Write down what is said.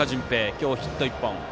今日ヒット１本。